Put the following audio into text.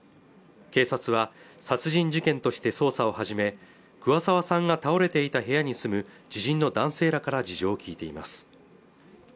警察は殺人事件として捜査を始め桑沢さんが倒れていた部屋に住む知人の男性らから事情を聞いています